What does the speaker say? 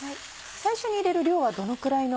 最初に入れる量はどのくらいの。